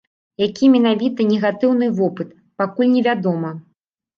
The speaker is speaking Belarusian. Які менавіта негатыўны вопыт, пакуль невядома.